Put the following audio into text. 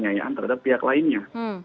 pertanyaan terhadap pihak lainnya